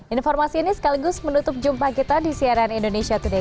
informasi ini sekaligus menutup jumpa kita di cnn indonesia today